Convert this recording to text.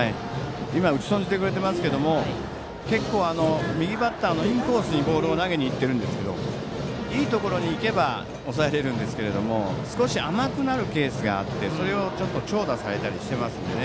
打ち損じてくれていますが結構、右バッターのインコースにボールを投げにいってるんですがいいところに行けば抑えられるんですが少し甘くなるケースがあってそれを長打されたりしていますのでね。